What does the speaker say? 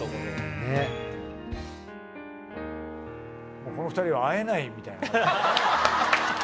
もうこの２人は会えないみたいな。